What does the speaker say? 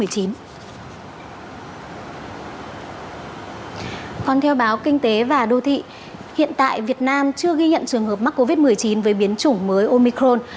còn theo báo kinh tế và đô thị hiện tại việt nam chưa ghi nhận trường hợp mắc covid một mươi chín với biến chủng mới omicron